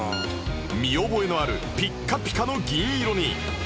見覚えのあるピッカピカの銀色に